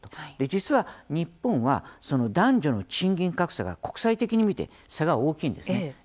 実は、日本は男女の賃金格差が国際的に見て差が大きいんですね。